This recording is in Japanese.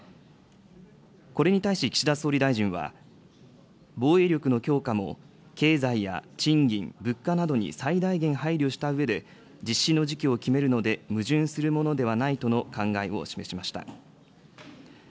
これに対し岸田総理大臣は、防衛力の強化も経済や賃金、物価などに最大限配慮したうえで、実施の時期を決めるので矛盾するものではないとの考えを示しました。